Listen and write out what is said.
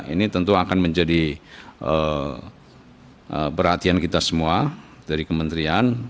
ini tentu akan menjadi perhatian kita semua dari kementerian